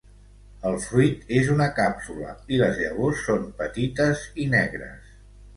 El fruit és una càpsula i les llavors són petites i negres.